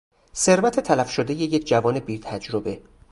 ثروت تلف شدهی یک جوان بیتجربه